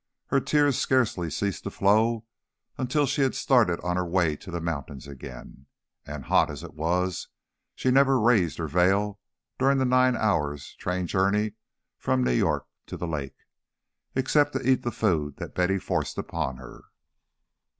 Her tears scarcely ceased to flow until she had started on her way to the mountains again, and, hot as it was, she never raised her veil during the nine hours' train journey from New York to the lake, except to eat the food that Betty forced upon her.